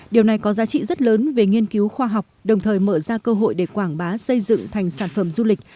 điều này có giá trị rất lớn về nghiên cứu khoa học đồng thời mở ra cơ hội để quảng bá xây dựng thành sản phẩm du lịch